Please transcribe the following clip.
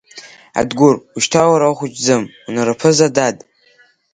Адгәыр, ушьҭа уара ухәыҷым, унараԥыза, дад!